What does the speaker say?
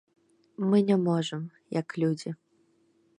Мы не можам, як людзі.